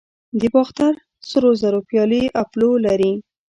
د باختر سرو زرو پیالې اپولو لري